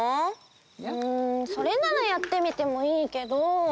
うんそれならやってみてもいいけど。